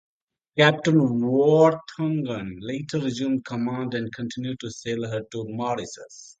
Captain Worthington later resumed command and continued to sail her to Mauritius.